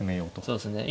そうですね。